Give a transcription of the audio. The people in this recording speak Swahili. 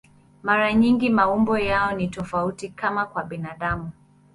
Mara nyingi maumbo yao ni tofauti, kama kwa binadamu.